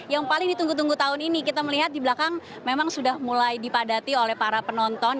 yang paling ditunggu tunggu tahun ini kita melihat di belakang memang sudah mulai dipadati oleh para penonton